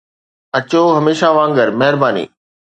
اچو، هميشه وانگر، مهرباني